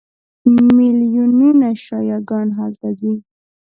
میلیونونه شیعه ګان هلته ځي.